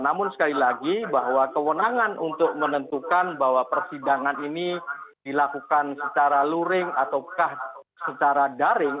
namun sekali lagi bahwa kewenangan untuk menentukan bahwa persidangan ini dilakukan secara luring ataukah secara daring